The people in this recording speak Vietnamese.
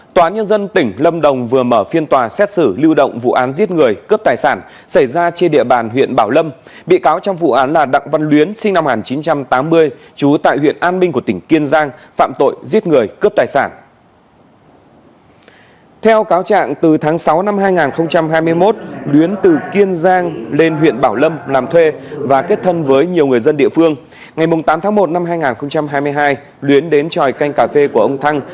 tại mùng tám tháng một năm hai nghìn hai mươi hai luyến đến tròi canh cà phê của ông thăng